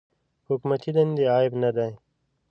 حکومتي دندې عیب نه دی.